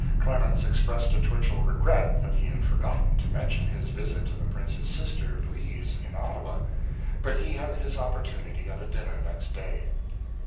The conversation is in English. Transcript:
Clemens expressed to Twichell regret that he had forgotten to mention his visit to the Prince's sister, Louise, in Ottawa, but he had his opportunity at a dinner next day.